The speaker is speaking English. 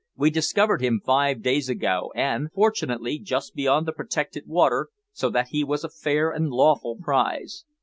We discovered him five days ago, and, fortunately, just beyond the protected water, so that he was a fair and lawful prize.